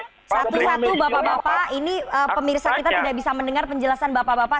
satu satu bapak bapak ini pemirsa kita tidak bisa mendengar penjelasan bapak bapak